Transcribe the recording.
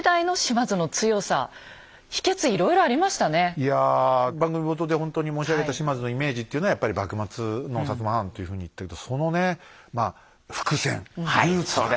いや番組冒頭でほんとに申し上げた島津のイメージっていうのはやっぱり幕末の摩藩というふうに言ったけどそのねまあ伏線ルーツが戦国時代にあったって